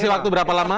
kasih waktu berapa lama